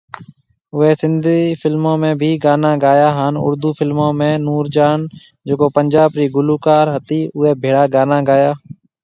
اوئي سنڌي فلمون ۾ بِي گانا گايا هان اردو فلمون ۾ نور جهان جڪو پنجاب ري گلوڪار هتي اوئي ڀيڙا گانا گيا